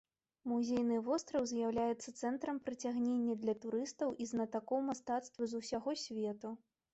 Музейны востраў з'яўляецца цэнтрам прыцягнення для турыстаў і знатакоў мастацтва з усяго свету.